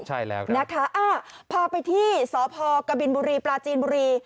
ใช่แล้วนะคะพาไปที่สพกบินบุรีปลาจีนบุรี